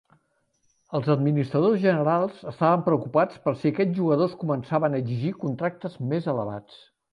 Els administradors generals estaven preocupats per si aquests jugadors començaven a exigir contractes més elevats.